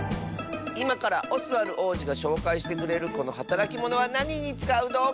いまからオスワルおうじがしょうかいしてくれるこのはたらきモノはなににつかうどうぐでしょうか？